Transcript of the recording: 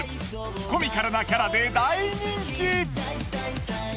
コミカルなキャラで大人気！